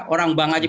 orang bank haji